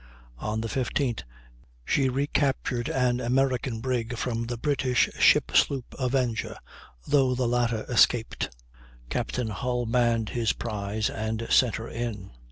On the 15th she recaptured an American brig from the British ship sloop Avenger, though the latter escaped; Capt. Hull manned his prize and sent her in.